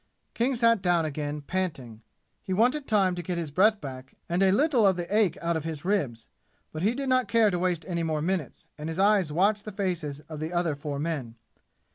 King sat down again, panting. He wanted time to get his breath back and a little of the ache out of his ribs, but he did not care to waste any more minutes, and his eyes watched the faces of the other four men.